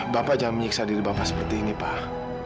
bapak jangan menyiksa diri bapak seperti ini pak